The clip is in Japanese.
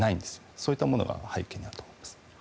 そういったものが背景にあると思います。